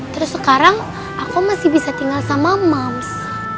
terus sekarang aku masih bisa tinggal sama moms